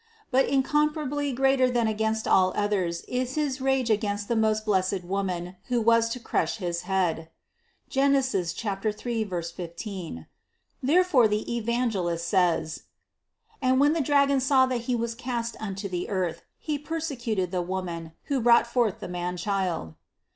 But incomparably greater than against all others is his rage against that most blessed Woman, who was to crush his head (Gen. 3, 15). Therefore the Evangelist says: 121. "And when the dragon saw that he was cast unto the earth, he persecuted the Woman, who brought forth the Man child."